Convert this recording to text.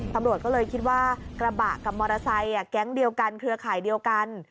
ตำรวจก็เลยคิดว่ากระบะกับมอเตอร์ไซค์แก๊งเดียวกันเครือข่ายเดียวกัน